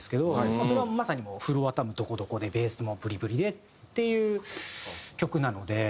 それはまさにフロアタムドコドコでベースもブリブリでっていう曲なので。